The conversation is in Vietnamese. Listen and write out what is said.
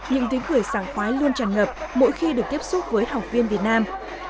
những tiếng cười sàng khoái luôn tràn ngập mỗi khi được tiếp xúc với học viên việt nam